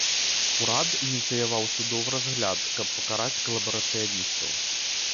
Урад ініцыяваў судовы разгляд, каб пакараць калабарацыяністаў.